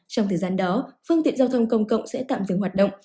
trong thời gian đó phương tiện giao thông công cộng sẽ tạm dừng hoạt động